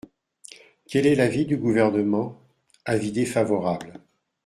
Quel est l’avis du Gouvernement ? Avis défavorable.